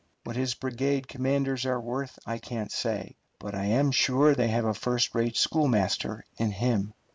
What his brigade commanders are worth I can't say, but I am sure they have a first rate schoolmaster in him.